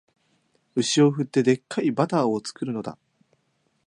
牛を振って、デッカいバターを作るのだ